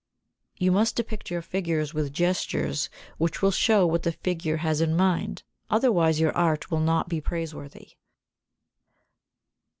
71. You must depict your figures with gestures which will show what the figure has in his mind, otherwise your art will not be praiseworthy.